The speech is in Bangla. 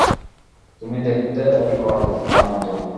তুমি দেখতে অবিকল তার মতো।